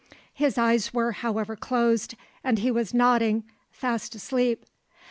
His eyes were however closed, and he was nodding, fast asleep.